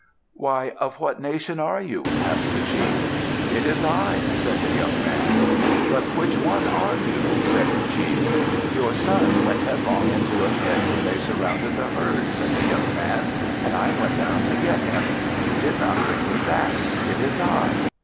"Why! Of what nation are you?" asked the chief. "It is I," said the young man. "But which one are you?" said the chief. "Your son went headlong into a pit when they surrounded the herd," said the young man. "And I went down to get him. You did not bring me back. It is I."